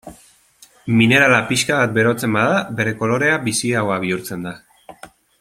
Minerala pixka bat berotzen bada, bere kolorea biziagoa bihurtzen da.